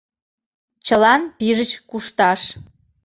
Чылан пижыч кушташ.